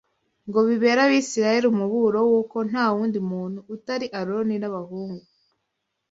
ngo bibere Abisirayeli umuburo w’uko nta wundi muntu utari Aroni n’abahungu